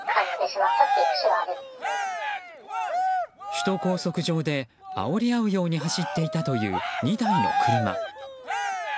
首都高速上であおり合うように走っていたという２台の車。